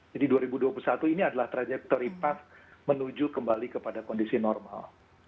jadi dua ribu dua puluh satu ini adalah trajectory path menuju kembali kepada kondisi normal